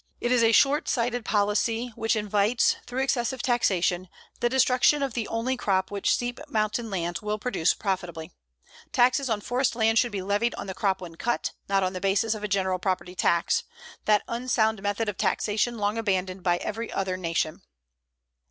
It is a short sighted policy which invites, through excessive taxation, the destruction of the only crop which steep mountain lands will produce profitably. Taxes on forest land should be levied on the crop when cut, not on the basis of a general property tax that unsound method of taxation long abandoned by every other great nation.